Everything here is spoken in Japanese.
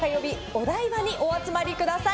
お台場にお集まりください。